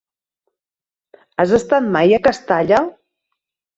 Has estat mai a Castalla?